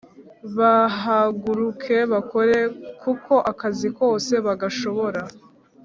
Bahaguruke bakore kuko akazi kose bagashobora”